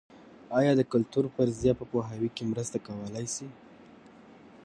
ایا د کلتور فرضیه په پوهاوي کې مرسته کولای شي؟